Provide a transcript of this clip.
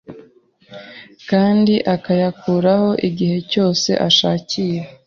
kandi akayakuraho igihe cyose ashakiye